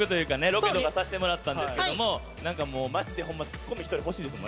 ロケとかさせてもらったんですけどもなんかもうマジでホンマツッコミ１人欲しいですもん。